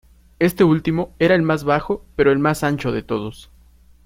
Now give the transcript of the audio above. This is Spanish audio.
Este último era el más bajo pero el más ancho de todos.